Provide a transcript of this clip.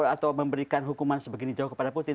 atau memberikan hukuman sebegini jauh kepada putin